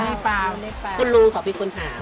ใช่อยู่ในป่า